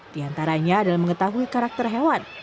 di antaranya adalah mengetahui karakter hewan